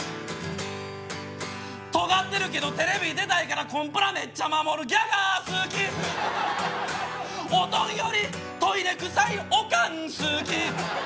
とがってるけどテレビに出たいからコンプラメッチャ守るギャガー好きおとんよりトイレ臭いおかん好き